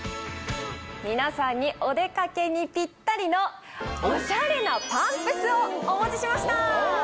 皆さんにお出かけにピッタリのオシャレなパンプスをお持ちしました！